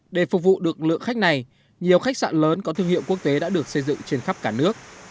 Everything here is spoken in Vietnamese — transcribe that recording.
để phục vụ được lượng khách này nhiều khách sạn lớn có thương hiệu quốc tế đã được xây dựng trên khắp cả nước